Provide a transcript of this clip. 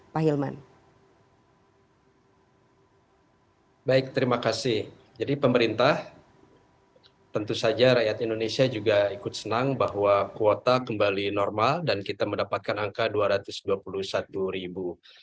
baik terima kasih jadi pemerintah tentu saja rakyat indonesia juga ikut senang bahwa kuota kembali normal dan kita mendapatkan angka dua ratus dua puluh satu ribu